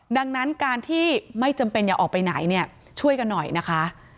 ดังนั้นการที่ไม่จำเป็นอย่าออกไปไหนเนี่ยช่วยกันหน่อยนะคะ